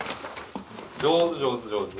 上手上手上手。